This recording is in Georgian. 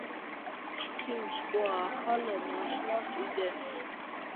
ჩქიმ სკუა ახალ მაშნას იიდენს